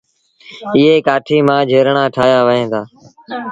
ايئي ڪآٺيٚ مآ جھيرڻآن ٺآهيآ وهين دآ۔